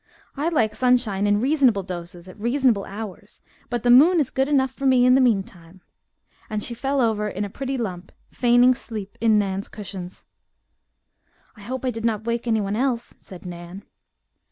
I like sunshine in reasonable doses at reasonable hours, but the moon is good enough for me in the meantime," and she fell over in a pretty lump, feigning sleep in Nan's cushions. "I hope I did not wake anyone else," said Nan.